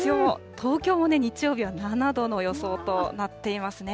東京も日曜日は７度の予想となっていますね。